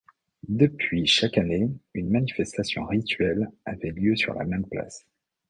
Depuis chaque année, une manifestation rituelle avait lieu sur la même place.